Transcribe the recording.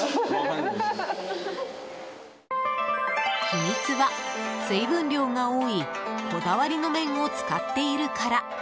秘密は、水分量が多いこだわりの麺を使っているから。